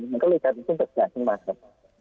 มันก็เลยกลายเป็นเช่นตัดแบบนี้มาครับ